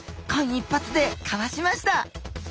間一髪でかわしました。